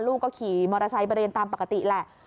ลูกก็ขี่มอเตอร์ไซค์ไปเรียนตามปกติแหละ